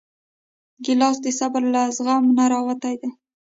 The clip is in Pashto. ګیلاس د صبر له زغم نه راوتی دی.